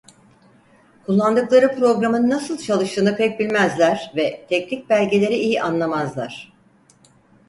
Kullandıkları programın nasıl çalıştığını pek bilmezler ve teknik belgeleri iyi anlamazlar.